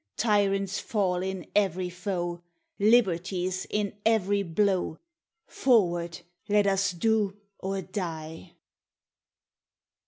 Tyrants fall in every foe! Liberty's in every blow! Forward! let us do, or die!